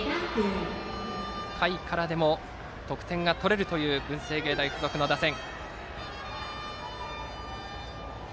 下位からでも得点が取れる文星芸大付属の打線。